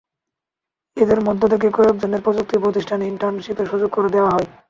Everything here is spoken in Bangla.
এদের মধ্য থেকে কয়েকজনকে প্রযুক্তি প্রতিষ্ঠানে ইন্টার্নশিপের সুযোগ করে দেওয়া হবে।